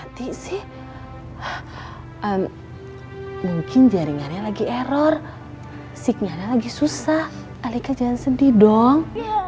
hati sih mungkin jaringannya lagi error signalnya lagi susah alika jangan sedih dong